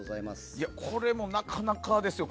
これもなかなかですよ。